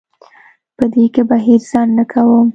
په دې کې به هیڅ ځنډ نه کوم.